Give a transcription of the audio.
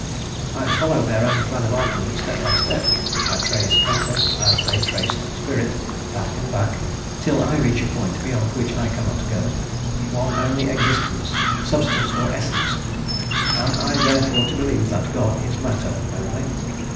I follow their own plan of argument step by step: I trace matter, as they traced spirit, back and back, till I reach a point beyond which I cannot go, one only existence, substance or essence; am I therefore to believe that God is matter only?